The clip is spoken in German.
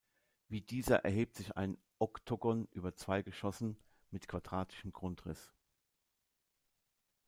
Wie dieser erhebt sich ein Oktogon über zwei Geschossen mit quadratischem Grundriss.